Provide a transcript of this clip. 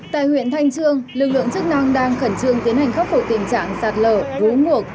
tại huyện thanh trương lực lượng chức năng đang khẩn trương tiến hành khắc phục tình trạng sạt lờ rú ngược